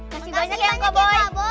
makasih banyak ya kakak boy